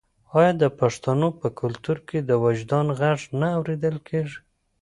آیا د پښتنو په کلتور کې د وجدان غږ نه اوریدل کیږي؟